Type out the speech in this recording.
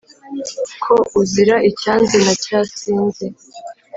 ko uzira icyanze na cya sinzi,